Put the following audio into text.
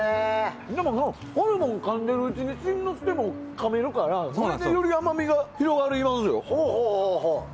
でも、ホルモンかんでるうちに新之助もかめるからそれでより甘みが広がりますよ。